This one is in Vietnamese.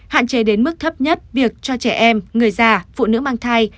hạn chế đến mức thấp nhất việc cho trẻ em người già phụ nữ mang thai